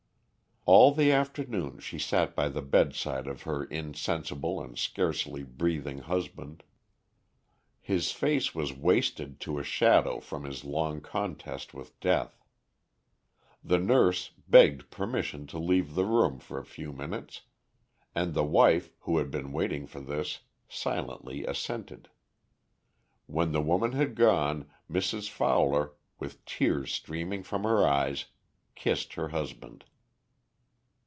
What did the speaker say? All the afternoon she sat by the bedside of her insensible and scarcely breathing husband. His face was wasted to a shadow from his long contest with death. The nurse begged permission to leave the room for a few minutes, and the wife, who had been waiting for this, silently assented. When the woman had gone, Mrs. Forder, with tears streaming from her eyes, kissed her husband.